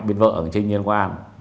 bên vợ ở trinh nhân quán